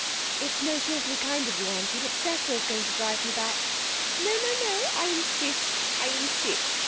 'It's most awfully kind of you, Auntie, but Cecil's going to drive me back.' 'No, no, no! I insist, I insist!